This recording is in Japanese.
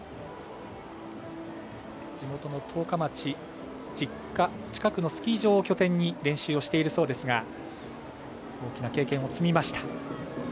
地元の十日町の実家近くのスキー場を拠点に練習をしているそうですが大きな経験を積みました。